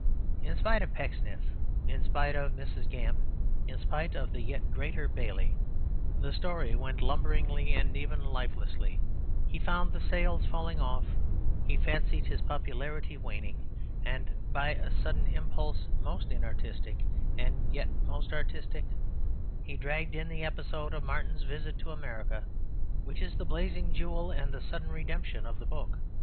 In spite of Pecksniff, in spite of Mrs. Gamp, in spite of the yet greater Bailey, the story went lumberingly and even lifelessly; he found the sales falling off; he fancied his popularity waning, and by a sudden impulse most inartistic and yet most artistic, he dragged in the episode of Martin's visit to America, which is the blazing jewel and the sudden redemption of the book.